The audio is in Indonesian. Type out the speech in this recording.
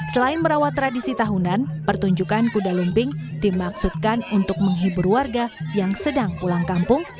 selain merawat tradisi tahunan pertunjukan kuda lumping dimaksudkan untuk menghibur warga yang sedang pulang kampung